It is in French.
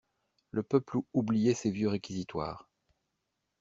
Le peuple oubliait ces vieux réquisitoires.